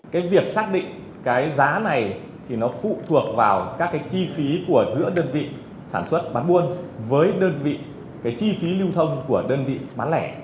cái việc xác định cái giá này thì nó phụ thuộc vào các cái chi phí của giữa đơn vị sản xuất bán buôn với đơn vị cái chi phí lưu thông của đơn vị bán lẻ